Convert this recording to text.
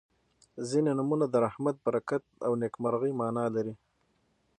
• ځینې نومونه د رحمت، برکت او نیکمرغۍ معنا لري.